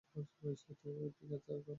সে তো ঠিক কথা।